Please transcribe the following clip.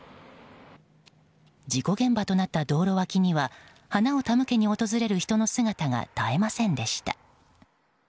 事故現場となった道路脇には花を手向けに訪れる人の姿が絶えませんでした。